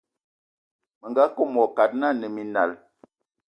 Mə nga kom wa kad nə a nə minal.